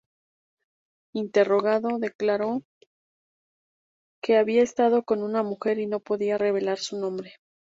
Interrogado, declaró que había estado con una mujer y no podía revelar su nombre.